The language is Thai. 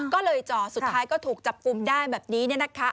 ก็เลยจ่อสุดท้ายก็ถูกจับกลุ่มได้แบบนี้